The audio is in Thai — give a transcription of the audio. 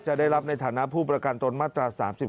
จะได้รับในฐานะผู้ประกันตนมาตรา๓๔